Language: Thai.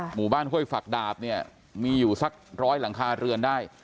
หมู่บ้านห้วยฝักดาบเนี่ยมีอยู่สักร้อยหลังคาเรือนได้